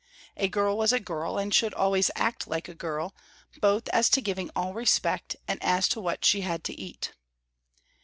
A girl was a girl and should act always like a girl, both as to giving all respect and as to what she had to eat.